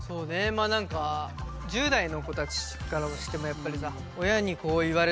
まあ何か１０代の子たちからしてもやっぱりさ